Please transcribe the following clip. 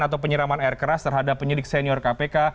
atau penyiraman air keras terhadap penyidik senior kpk